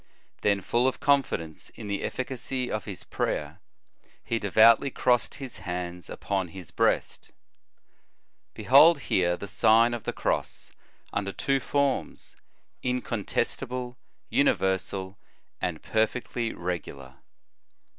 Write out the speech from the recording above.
Then, full of confidence in the efficacy of his prayer, he devoutly crossed his hands upon his breast.* Behold here the Sign of the Cross under two forms, incontestable, universal, and perfectly reoailar.